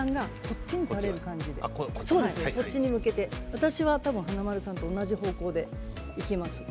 私は華丸さんと同じ方向でいきますね。